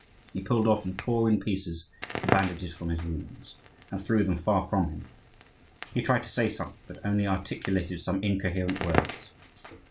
He pulled off and tore in pieces the bandages from his wounds, and threw them far from him; he tried to say something, but only articulated some incoherent words.